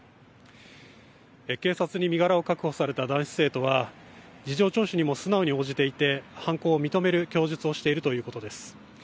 警察に身柄を確保された男子生徒は事情聴取にも素直に応じていて犯行を認める供述をしているということです。